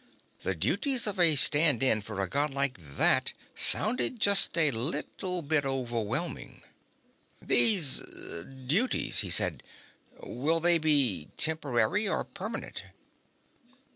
The duties of a stand in for a God like that sounded just a little bit overwhelming. "These duties," he said. "Will they be temporary or permanent?"